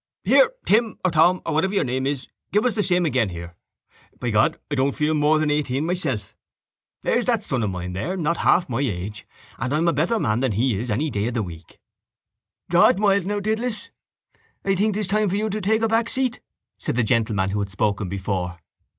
Here, Tim or Tom or whatever your name is, give us the same again here. By God, I don't feel more than eighteen myself. There's that son of mine there not half my age and I'm a better man than he is any day of the week. —Draw it mild now, Dedalus. I think it's time for you to take a back seat, said the gentleman who had spoken before.